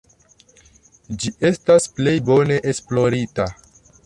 Ĝi estas plej bone esplorita.